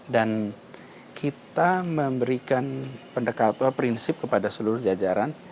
dan kita memberikan pendekatwa prinsip kepada seluruh jajaran